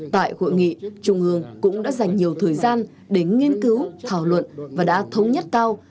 tại hội nghị trung ương cũng đã dành nhiều thời gian để nghiên cứu thảo luận và đã thống nhất cao